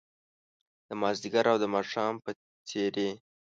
د مازدیګر او د ماښام په څیرې